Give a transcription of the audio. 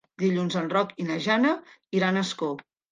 Dilluns en Roc i na Jana iran a Ascó.